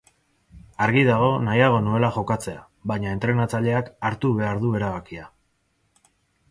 Argi dago nahiago nuela jokatzea, baina entrenatzaileak hartu behar du erabakia.